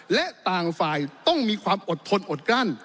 และต่างฝ่ายต้องมีความอดทนอดกลั้น